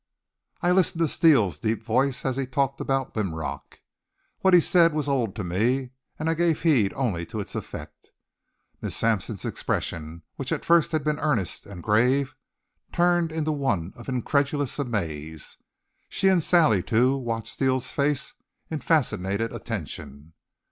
I listened to Steele's deep voice as he talked about Linrock. What he said was old to me, and I gave heed only to its effect. Miss Sampson's expression, which at first had been earnest and grave, turned into one of incredulous amaze. She, and Sally too, watched Steele's face in fascinated attention.